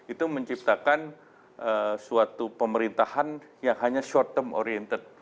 itu menciptakan suatu pemerintahan yang hanya short term oriented